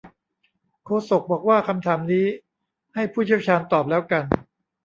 โฆษกบอกว่าคำถามนี้ให้ผู้เชี่ยวชาญตอบแล้วกัน